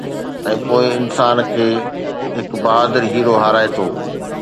۽ پوءِ انسان کي هڪ بهادر هيرو هارائي ٿو